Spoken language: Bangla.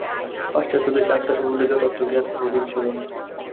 পাশ্চাত্য দেশে আত্মা সম্বন্ধে যথার্থ জ্ঞান কোন দিন ছিল না।